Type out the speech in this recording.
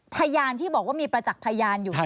พยานที่บอกว่ามีประจักษ์พยานอยู่